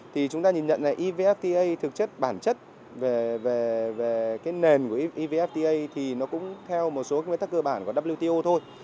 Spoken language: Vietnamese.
thì chúng ta nhìn nhận này evfta thực chất bản chất về cái nền của evfta thì nó cũng theo một số nguyên tắc cơ bản của wto thôi